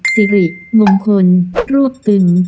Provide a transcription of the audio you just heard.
สิริมงคลรวบตึง